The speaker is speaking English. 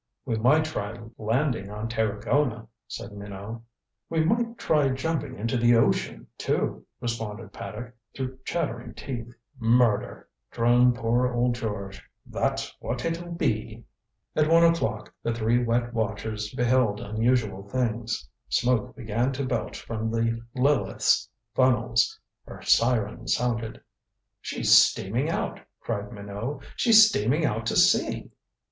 "We might try landing on Tarragona," said Minot. "We might try jumping into the ocean, too," responded Paddock, through chattering teeth. "Murder," droned poor old George. "That's what it'll be." At one o'clock the three wet watchers beheld unusual things. Smoke began to belch from the Lileth's funnels. Her siren sounded. "She's steaming out!" cried Minot. "She's steaming out to sea!"